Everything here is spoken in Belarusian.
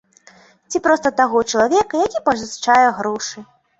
Ці проста таго чалавека, які пазычае грошы.